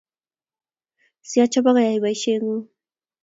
Si achobok ayai boisieng’ung